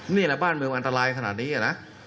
นี่แหละบ้านเมืองอันตรายขนาดนี้นะ